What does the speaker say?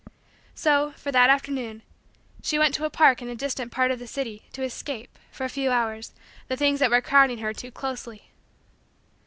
So, for that afternoon, she went to a park in a distant part of the city to escape, for a few hours, the things that were crowding her too closely.